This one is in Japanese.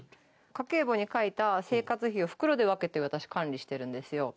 家計簿に書いた生活費を袋で分けて、私、管理しているんですよ。